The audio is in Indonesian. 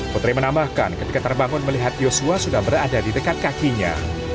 putri menambahkan ketika terbangun melihat yosua sudah berada di dekat kakinya